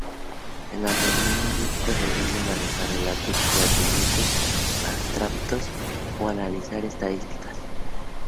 En las reuniones, es preferible manejar relatos que argumentos abstractos o analizar estadísticas.